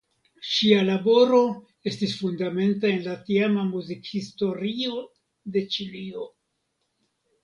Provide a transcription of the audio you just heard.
Ŝia laboro estis fundamenta en la tiama muzikhistorio de Ĉilio.